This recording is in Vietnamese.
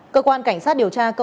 cơ quan cảnh sát điều tra công an